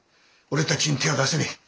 俺たちに手は出せねえ。